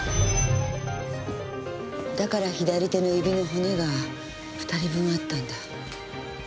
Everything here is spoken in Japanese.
だから左手の指の骨が２人分あったんだ。